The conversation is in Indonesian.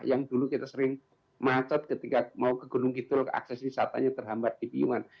yang dulu kita sering macet ketika mau ke gunung kidul akses wisatanya terhambat di piungan